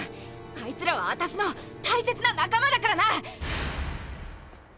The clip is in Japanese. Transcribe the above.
あいつらはアタシの大切な仲間だからな！